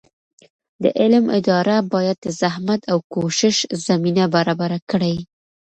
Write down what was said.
د علم اداره باید د زحمت او کوشش زمینه برابره کړي.